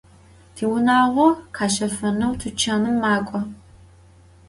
Tiunağo kheşefeneu tuçanım mak'o.